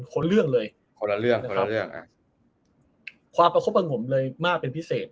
คนเรื่องเลยคนละเรื่องคนละเรื่องอ่ะความประคบประงมเลยมากเป็นพิเศษ